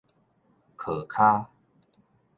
瘸跤